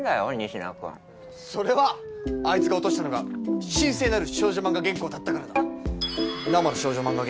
仁科君それはあいつが落としたのが神聖なる少女漫画原稿だったからだ生の少女漫画